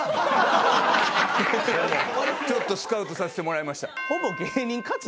ちょっとスカウトさせてもらいました。